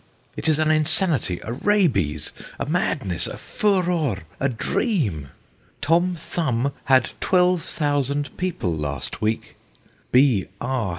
It is an insanity, a rabies, a madness, a furor, a dream ! Tom Thumb had 12,000 people last week. B. R.